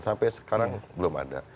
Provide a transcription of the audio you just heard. sampai sekarang belum ada